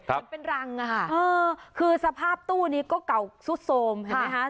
เห็นเป็นรังอะค่ะคือสภาพตู้นี้ก็เก่าสุดโสมเห็นไหมคะ